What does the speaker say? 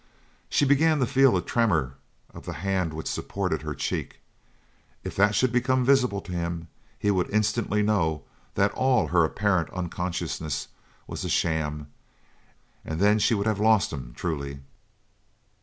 She began to feel a tremor of the hand which supported her cheek. If that should become visible to him he would instantly know that all her apparent unconsciousness was a sham, and then she would have lost him truly!